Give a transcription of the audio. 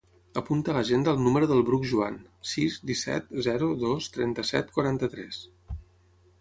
Apunta a l'agenda el número del Bruc Juan: sis, disset, zero, dos, trenta-set, quaranta-tres.